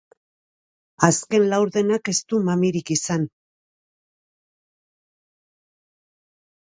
Azken laurdenak ez du mamirik izan.